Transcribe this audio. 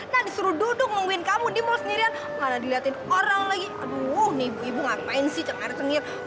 kan disuruh duduk nungguin kamu di mall sendirian mana dilihatin orang lagi aduh nih ibu ibu ngapain sih cenger cengit